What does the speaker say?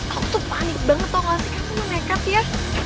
aku tuh panik banget tau gak sih kamu nekat ya